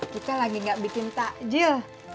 kita lagi gak bikin takjil